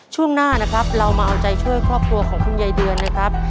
ช่วงหน้านะครับเรามาเอาใจช่วยครอบครัวของคุณยายเดือนนะครับ